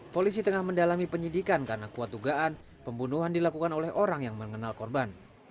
polisi tengah mendalami penyidikan karena kuat dugaan pembunuhan dilakukan oleh orang yang mengenal korban